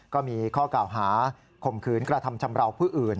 ก็มีข้อกล่าวหาข่มขืนกระทำชำราวผู้อื่น